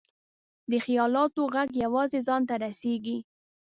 د خیالاتو ږغ یوازې ځان ته رسېږي.